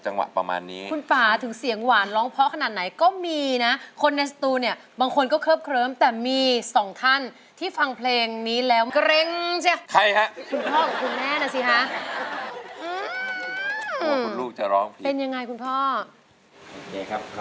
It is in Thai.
หลวงลูกจะร้องเป็นยังไงคุณพ่อเชิญได้ครับเขาทำมาได้ก็ดีใจครับผม